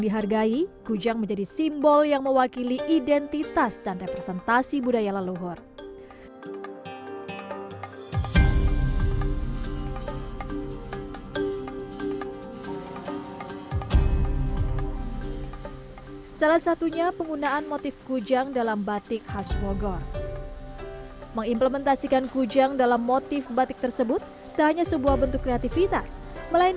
melainkan menjadi pertunjukan seni untuk berbagai kegiatan